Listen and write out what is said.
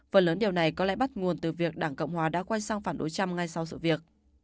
phần lớn điều này có lẽ bắt nguồn từ việc đảng cộng hòa đã quay sang phản đối trump ngay sau sự việc